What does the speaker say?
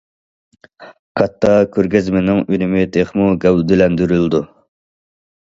كاتتا كۆرگەزمىنىڭ ئۈنۈمى تېخىمۇ گەۋدىلەندۈرۈلىدۇ.